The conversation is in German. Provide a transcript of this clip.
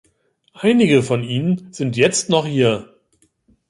Einige von ihnen sind jetzt noch hier.